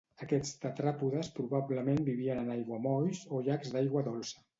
Aquests tetràpodes probablement vivien en aiguamolls o llacs d'aigua dolça.